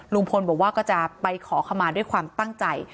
ลุงพลบอกว่าก็จะไปขอขมาด้วยความตั้งใจ